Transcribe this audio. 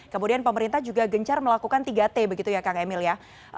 kemudian pemerintah juga gencar melakukan tiga t begitu ya kang emil ya